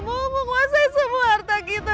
mau menguasai semua harta kita